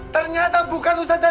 ternyata bukan usaha